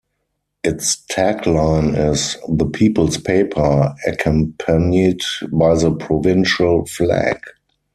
Its tagline is "The People's Paper", accompanied by the provincial flag.